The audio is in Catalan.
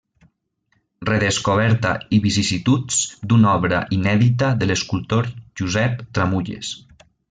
Redescoberta i vicissituds d'una obra inèdita de l'escultor Josep Tramulles.